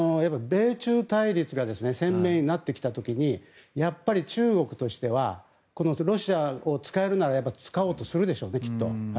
米中対立が鮮明になってきた時にやっぱり、中国としてはロシアを使えるなら使おうときっとするでしょうね。